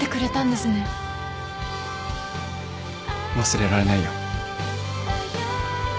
忘れられないよ。